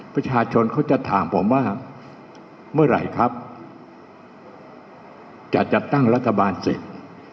ประชาชนเขาจะถามผมว่าเมื่อไหร่ครับจะจัดตั้งรัฐบาลเสร็จ